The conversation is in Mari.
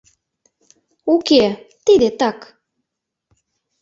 — Уке, тиде так...